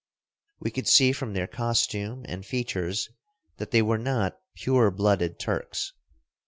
We could see from their costume and features that they were not pure blooded Turks.